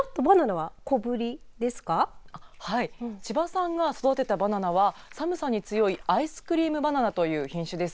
はい、千葉さんが育てたバナナは寒さに強いアイスクリームバナナという品種です。